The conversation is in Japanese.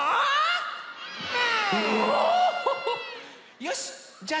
よしじゃあね